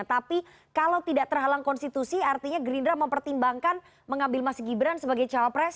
tapi kalau tidak terhalang konstitusi artinya gerindra mempertimbangkan mengambil mas gibran sebagai cawapres